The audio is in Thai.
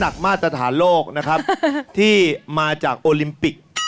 กลับเข้าสู่รายการออบาตอร์มาหาสนุกกันอีกครั้งครับ